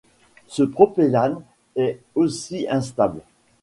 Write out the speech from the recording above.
Ce propellane est aussi instable.